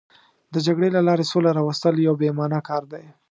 د جګړې له لارې سوله راوستل یو بې معنا کار دی.